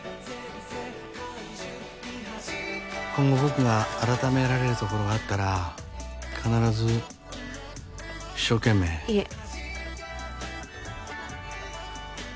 今後僕が改められるところがあったら必ず一生懸命いえいえ